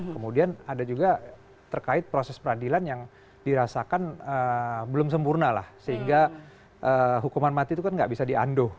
kemudian ada juga terkait proses peradilan yang dirasakan belum sempurna lah sehingga hukuman mati itu kan nggak bisa dianduh